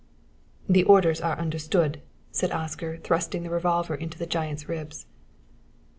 "The orders are understood," said Oscar, thrusting the revolver into the giant's ribs.